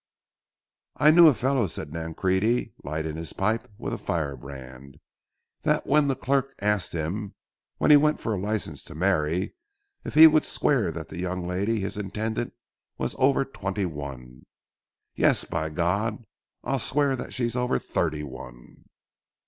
"I knew a fellow," said Nancrede, lighting his pipe with a firebrand, "that when the clerk asked him, when he went for a license to marry, if he would swear that the young lady—his intended—was over twenty one, said: 'Yes, by G—, I'll swear that she's over thirty one.'"